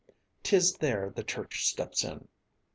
'Tis there the church steps in.